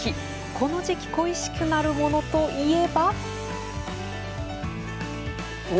この時期恋しくなるものといえば。